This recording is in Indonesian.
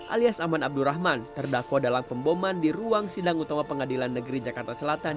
alias aman abdurrahman terdakwa dalam pemboman di ruang sidang utama pengadilan negeri jakarta selatan